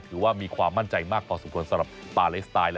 ถือว่ามีความมั่นใจมากพอสมควรสำหรับปาเลสไตน์